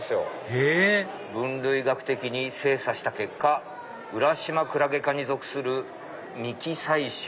へぇ「分類学的に精査した結果ウラシマクラゲ科に属する未記載種」。